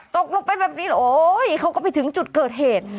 ตกลงไปแบบนี้โอ้ยเขาก็ไปถึงจุดเกิดเหตุ